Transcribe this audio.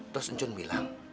terus ncun bilang